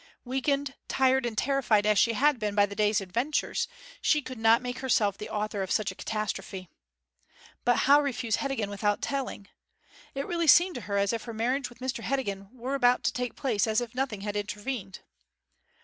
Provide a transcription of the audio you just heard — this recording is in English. Weakened, tired, and terrified as she had been by the day's adventures, she could not make herself the author of such a catastrophe. But how refuse Heddegan without telling? It really seemed to her as if her marriage with Mr Heddegan were about to take place as if nothing had intervened.